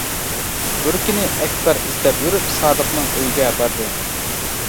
بىر كۈنى ئەكبەر ئىزدەپ يۈرۈپ سادىقنىڭ ئۆيىگە باردى.